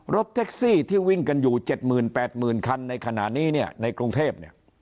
รถเท็กซี่ที่วิ่งกันอยู่๗๐๐๐๐๘๐๐๐๐คันในขณะนี้ในกรุงเทพฯ